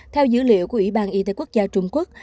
theo dữ liệu của ủy ban y tế quốc gia trung quốc